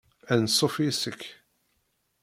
Anṣuf yes-k.